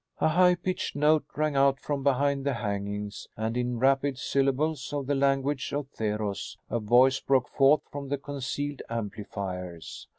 A high pitched note rang out from behind the hangings, and, in rapid syllables of the language of Theros, a voice broke forth from the concealed amplifiers.